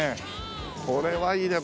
これはいいね。